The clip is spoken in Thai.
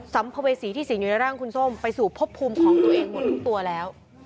ัมภเวษีที่สิงอยู่ในร่างคุณส้มไปสู่พบภูมิของตัวเองหมดทุกตัวแล้ว